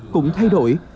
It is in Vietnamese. cũng thay đổi